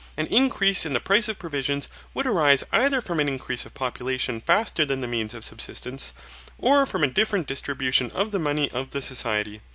An increase in the price of provisions would arise either from an increase of population faster than the means of subsistence, or from a different distribution of the money of the society.